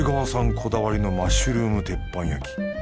こだわりのマッシュルーム鉄板焼き。